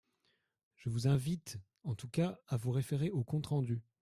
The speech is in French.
Je vous invite, en tout cas, à vous référer au compte rendu.